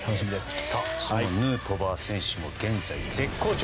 そのヌートバー選手も現在、絶好調。